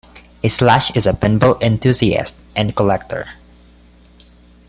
Slash is a pinball enthusiast and collector.